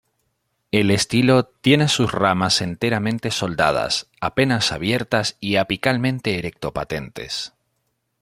El estilo, tiene sus ramas enteramente soldadas, apenas abiertas y apicalmente erecto-patentes.